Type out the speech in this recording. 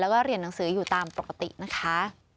แล้วก็เรียนหนังสืออยู่ตามปกตินะคะ